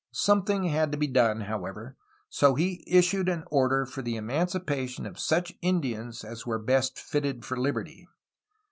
Something had to be done, however. So he issued an order for the eman cipation of such Indians as were best fitted for Hberty.